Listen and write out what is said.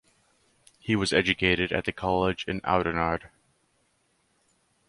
He was educated at the college in Oudenaarde.